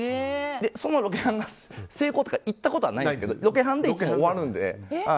そのロケハンが成功したことはないですけどロケハンでいつも終わるんで。